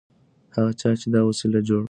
هغه چا چې دا وسایل جوړ کړي جایزه یې ګټلې ده.